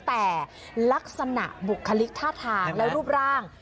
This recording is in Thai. แต่ลักษณะบุคลิกท่าทางและรูปร่าง